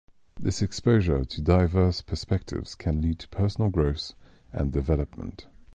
This exposure to diverse perspectives can lead to personal growth and development.